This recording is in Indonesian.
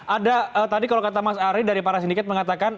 ada tadi kalau kata mas ari dari para sindikat mengatakan